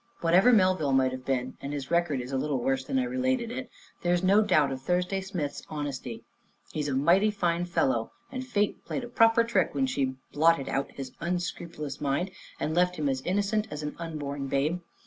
Whatever Melville might have been and his record is a little worse than I related it there's no doubt of Thursday Smith's honesty. He's a mighty fine fellow, and Fate played a proper trick when she blotted out his unscrupulous mind and left him as innocent as an unborn babe.